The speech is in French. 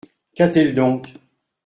Qu'a-t-elle donc ?